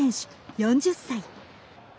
４０歳。